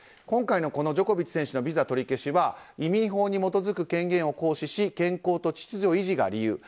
今回のジョコビッチ選手のビザ取り消しは移民法に基づく権限を行使し健康と秩序維持が理由。